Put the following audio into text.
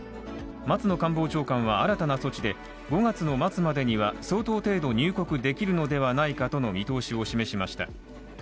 松野官房長官は新たな措置で５月の末までには相当程度入国できるのではないかとの見通しを示しました。